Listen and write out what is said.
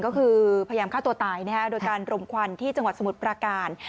ก็คือพยายามฆ่าตัวตายโดยการรมควันที่จังหวัดสมุทรประการ